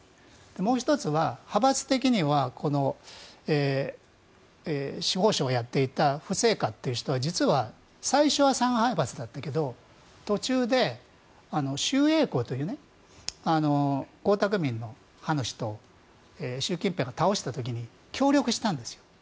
もう１つは、派閥的には司法相をやっていたフ・セイカという人は実は最初は上海閥だったけど途中で周永康という江沢民の派の人習近平が倒した時に協力したんです。